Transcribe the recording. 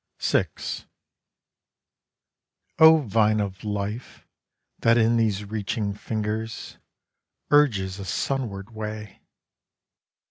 VI O Vine of Life, that in these reaching fingers, Urges a sunward way!